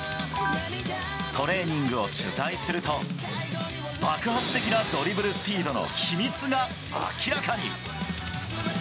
トレーニングを取材すると、爆発的なドリブルスピードの秘密が明らかに。